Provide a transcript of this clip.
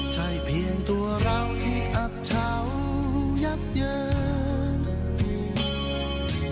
ใช่เพียงตัวเราที่อับเฉายับเยิน